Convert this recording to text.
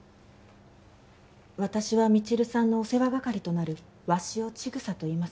私は未知留さんのお世話係となる鷲尾千草といいます